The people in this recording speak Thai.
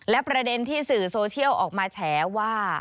และประเด็นที่สื่อโซเชียลออกมาแฉว่า